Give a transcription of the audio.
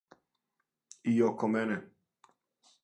И око мене.